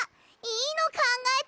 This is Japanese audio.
いいのかんがえた！